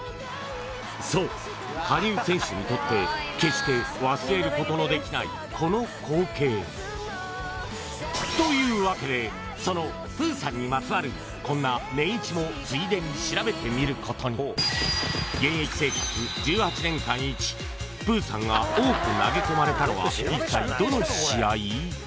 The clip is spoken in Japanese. そう羽生選手にとって決して忘れることのできないこの光景というわけでそのプーさんにまつわるこんなネンイチもついでに調べてみることに現役生活１８年間イチプーさんが多く投げ込まれたのは一体どの試合？